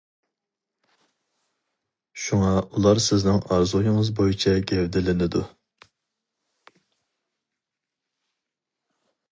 شۇڭا ئۇلار سىزنىڭ ئارزۇيىڭىز بويىچە گەۋدىلىنىدۇ.